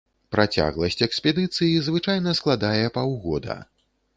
Працягласць экспедыцыі звычайна складае паўгода.